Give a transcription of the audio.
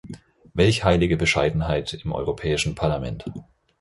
Welch heilige Bescheidenheit im Europäischen Parlament.